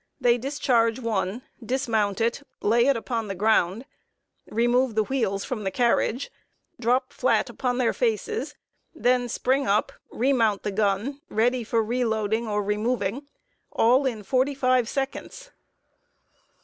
They discharge one, dismount it, lay it upon the ground, remove the wheels from the carriage, drop flat upon their faces, then spring up, remount the gun, ready for reloading or removing, all in forty five seconds.